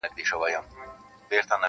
د نېكيو او بديو بنياد څه دئ -